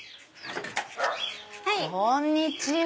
こんにちは。